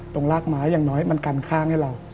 รากไม้อย่างน้อยมันกันข้างให้เรา